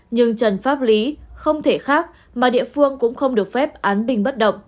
nhưng trần pháp lý không thể khác mà địa phương cũng không được phép án bình bất động